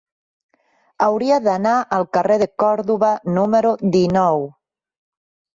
Hauria d'anar al carrer de Còrdova número dinou.